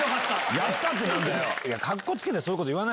「やった！」って何だよ！